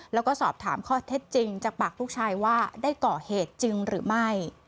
แล้วก็สอบถามข้อเท็จจริงจากปากลูกชายว่าได้ก่อเหตุจริงหรือไม่